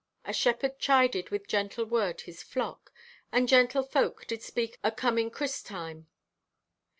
A shepherd chided with gentle word his flock, and gentle folk did speak o' coming Christ time.